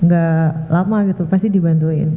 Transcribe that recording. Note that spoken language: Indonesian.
gak lama gitu pasti dibantuin